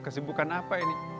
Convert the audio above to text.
kesibukan apa ini